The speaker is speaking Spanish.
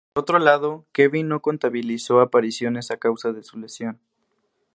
Por otro lado, Kevin no contabilizó apariciones a causa de su lesión.